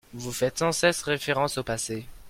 Vous faites sans cesse référence au passé.